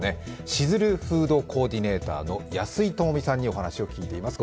シズルフードコーディネーターの安井友美さんにお話を聞いています。